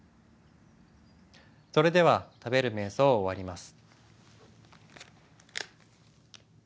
それでは食べる瞑想を終わります。